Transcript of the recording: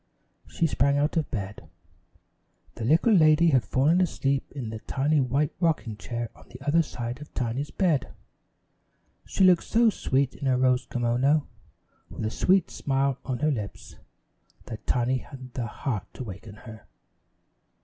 She sprang out of bed. The little lady had fallen asleep in the tiny white rocking chair on the other side of Tiny's bed. She looked so sweet in her rose kimono with a sweet smile on her lips, that Tiny hadn't the heart to waken her.